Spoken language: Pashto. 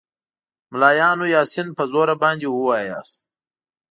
ملایانو یاسین په زوره باندې ووایاست.